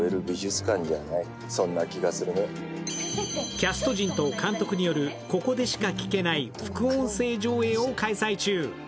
キャスト陣と監督によるここでしか聞けない副音声上映を開催中。